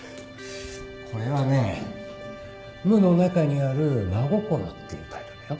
これはね『無の中にある真心』っていうタイトルだよ。